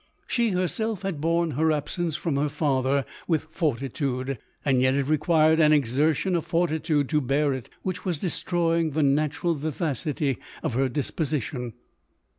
She herself had borne her absence from her father with forti tude : yet it required an exertion of fortitude to bear it, which was destroying the natural vivacity of her disposition.